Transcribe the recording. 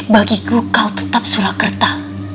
bagi ku kau tetap surakerta